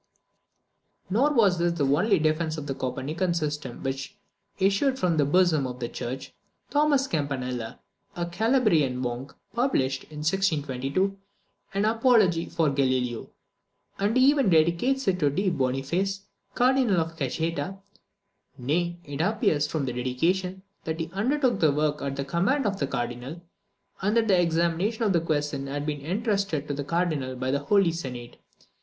Nor was this the only defence of the Copernican system which issued from the bosom of the Church. Thomas Campanella, a Calabrian monk, published, in 1622, "An Apology for Galileo," and he even dedicates it to D. Boniface, Cardinal of Cajeta. Nay, it appears from the dedication, that he undertook the work at the command of the Cardinal, and that the examination of the question had been entrusted to the Cardinal by the Holy Senate.